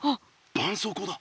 ばんそうこうだ。